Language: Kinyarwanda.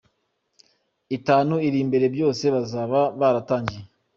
itanu iri imbere byose Bazaba baratangiye.